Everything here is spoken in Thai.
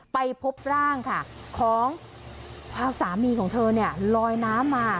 ไปพบร่างของผู้สามีของเธอลอยน้ำมา